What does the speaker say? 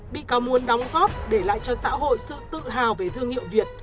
bị cáo muốn đóng góp để lại cho xã hội sự tự hào về thương hiệu việt